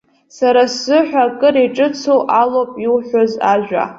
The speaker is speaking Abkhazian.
Са сзыҳәа акыр иҿыцу алоуп иуҳәаз ажәа.